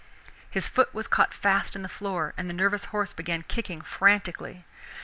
His foot was caught fast in the floor, and the nervous horse began kicking frantically.